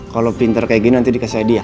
kalo pinter kayak gini nanti dikasih idea